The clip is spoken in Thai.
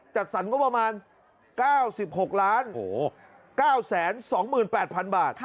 จัดสรรงบประมาณ๙๖๙๒๘๐๐๐บาท